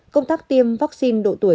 công tác tiêm vaccine độ tuổi